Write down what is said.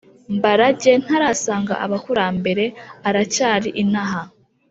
mbarage ntarasanga abakurambere aracyari inaha